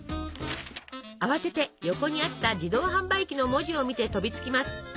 慌てて横にあった「自動はんばい機」の文字を見て飛びつきます！